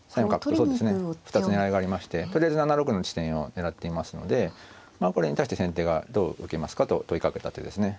そうですね２つ狙いがありましてとりあえず７六の地点を狙っていますのでこれに対して先手がどう受けますかと問いかけた手ですね。